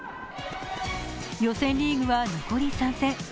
予選リーグは残り３戦。